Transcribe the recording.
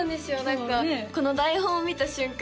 何かこの台本を見た瞬間